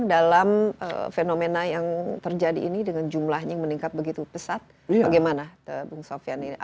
dalam fenomena yang terjadi ini dengan jumlahnya yang meningkat begitu pesat bagaimana bung sofian ini